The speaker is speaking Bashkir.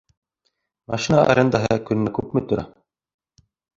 Машина арендаһы көнөнә күпме тора?